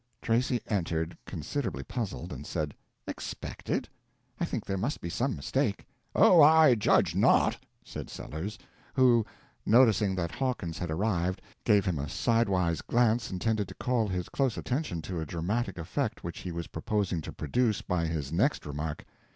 Tracy entered, considerably puzzled, and said: "Expected? I think there must be some mistake." "Oh, I judge not," said Sellers, who—noticing that Hawkins had arrived, gave him a sidewise glance intended to call his close attention to a dramatic effect which he was proposing to produce by his next remark.